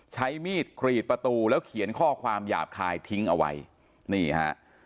ใช้มีดกรีดประตูแล้วเขียนข้อความหยาบคายทิ้งเอาไว้นี่ฮะ